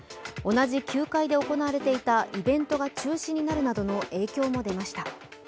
同じ９階で行われていたイベントが中止になるなどの影響が出ました。